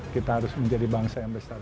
kita harus menjadi bangsa yang besar